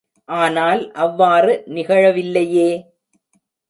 ஆனால் அவ்வாறு நிகழவில்லையே!